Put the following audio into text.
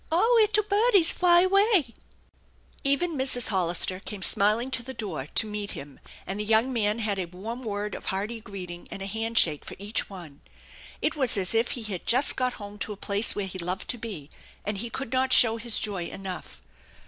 All ickle budies f y away !" Even Mrs. Hollister came smiling to the door to meet him, and the young man had a warm word of hearty greeting and a hand shake for each one. It was as if he had just got home to a place where he loved to be, and he could not show his joy enough.